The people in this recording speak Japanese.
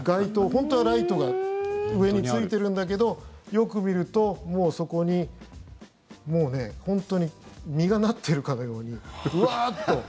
本当はライトが上についてるんだけどよく見ると、もうそこに本当に実がなっているかのようにうわーっと。